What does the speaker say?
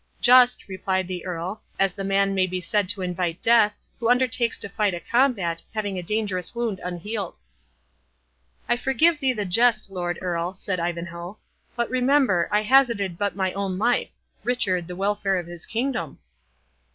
"Just," replied the Earl, "as the man may be said to invite death, who undertakes to fight a combat, having a dangerous wound unhealed." "I forgive thee the jest, Lord Earl," said Ivanhoe; "but, remember, I hazarded but my own life—Richard, the welfare of his kingdom."